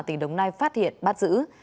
tỉnh đồng nai phát hiện bắt giữ